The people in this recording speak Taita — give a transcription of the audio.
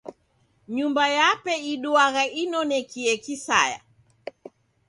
Nyumba yape iduagha inonekie kisaya.